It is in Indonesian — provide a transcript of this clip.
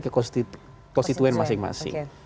ke konstituen masing masing